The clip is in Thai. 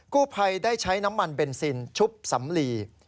กู้ภัยได้ใช้น้ำมันเบนซินชุบสำลี